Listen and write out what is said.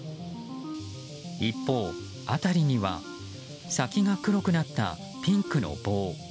一方、辺りには先が黒くなったピンクの棒。